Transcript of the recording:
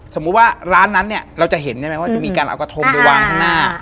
สมมุติว่าร้านนั้นเนี่ยเราจะเห็นใช่ไหมว่าจะมีการเอากระทงไปวางข้างหน้า